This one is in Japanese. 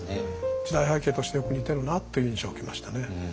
時代背景としてよく似てるなっていう印象を受けましたね。